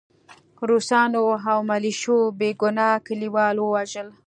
روسانو او ملیشو بې ګناه کلیوال ووژل